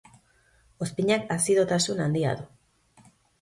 Ozpinak azidotasun handia du.